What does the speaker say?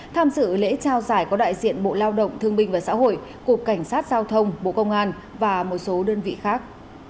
tham dự lễ trao giải có đại diện bộ lao động thương minh và xã hội cục cảnh sát giao thông bộ công an và một số đơn vị khác